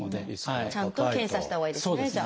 ちゃんと検査したほうがいいですねじゃあ。